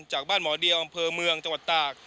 จากบ้านหมอเดียวอำเภอเมืองจังหวัดตาก